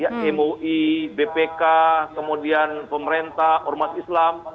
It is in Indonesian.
ya moi bpk kemudian pemerintah umat islam